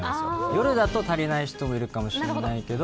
夜だと足りない人もいるかもしれないけど